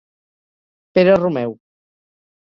Pere Romeu.